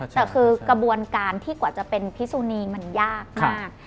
แต่คือกระบวนการที่กว่าจะเป็นพิสุนีมันยากมาก